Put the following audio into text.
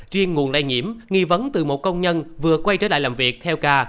riêng nguồn lây nhiễm nghi vấn từ một công nhân vừa quay trở lại làm việc theo ca